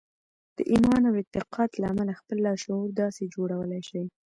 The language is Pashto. د ايمان او اعتقاد له امله خپل لاشعور داسې جوړولای شئ.